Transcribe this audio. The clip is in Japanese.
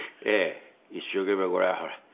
一生懸命これは。